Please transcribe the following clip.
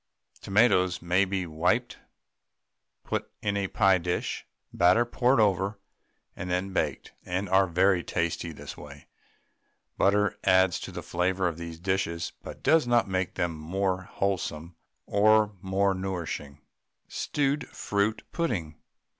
Tomatoes may be wiped, put in a pie dish, batter poured over, and then baked, and are very tasty this way. Butter adds to the flavour of these dishes, but does not make them more wholesome or more nourishing. STEWED FRUIT PUDDING.